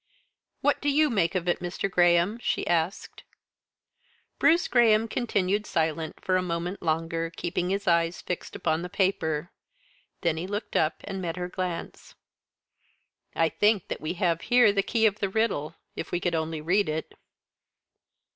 "What do you make of it, Mr. Graham?" she asked. Bruce Graham continued silent for a moment longer, keeping his eyes fixed upon the paper. Then he looked up and met her glance. "I think that we have here the key of the riddle, if we could only read it."